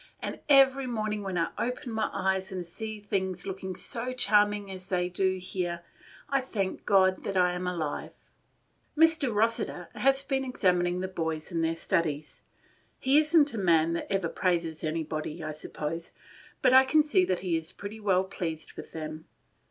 and every morning when I open my eyes and see things looking so charming as they do here, I thank God that I am alive. "Mr. Rossiter has been examining the boys in their studies. He is n't a man that ever praises anybody, I suppose, but I can see that he is pretty well pleased with them.